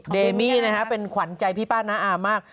เดมี่นะฮะเป็นขวัญใจพี่ป้าน้าอามาก